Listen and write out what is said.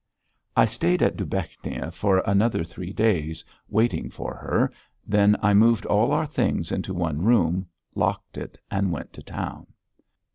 I stayed at Dubechnia for another three days, waiting for her; then I moved all our things into one room, locked it, and went to town.